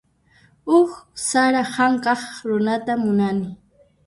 Huk sara hank'aq runata munani.